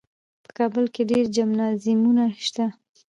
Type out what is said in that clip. په کابل کې ډېر جمنازیمونه شته.